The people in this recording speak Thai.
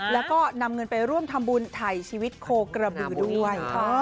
แล้วก็นำเงินไปร่วมทำบุญไถ่ชีวิตโคกระบือด้วย